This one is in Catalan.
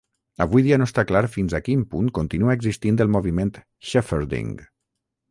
Avui dia no està clar fins a quin punt continua existint el moviment Shepherding.